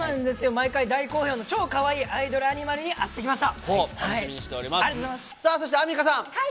毎回、大好評の超かわいいアイドルアニマルに会ってきました。